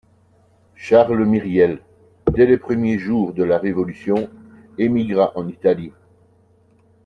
Charles Myriel, dès les premiers jours de la révolution, émigra en Italie